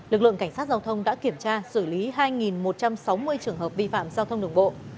lực lượng cảnh sát giao thông đã kiểm tra xử lý hai một trăm sáu mươi trường hợp vi phạm giao thông đường bộ